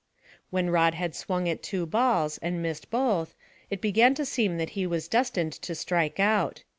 When Rod had swung at two balls, and missed both, it began to seem that he was destined to strike out.